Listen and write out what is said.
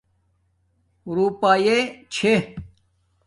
روپنݣ چھے